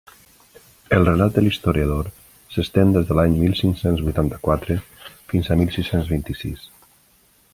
El relat de l'historiador s'estén des de l'any mil cinc-cents vuitanta-quatre fins a mil sis-cents vint-i-sis.